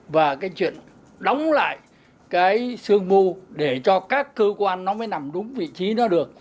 và cái chuyện đóng lại cái sương mù để cho các cơ quan nó mới nằm đúng vị trí nó được